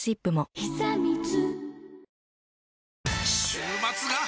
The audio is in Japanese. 週末が！！